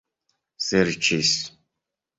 serĉis